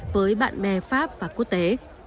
với bạn bè pháp và quốc tế